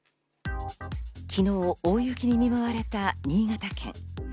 昨日、大雪に見舞われた新潟県。